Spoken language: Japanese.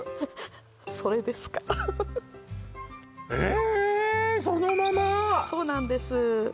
それですかえっそうなんです